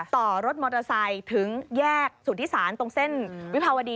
ต่อรถมอเตอร์ไซค์ถึงแยกสุธิศาลตรงเส้นวิภาวดี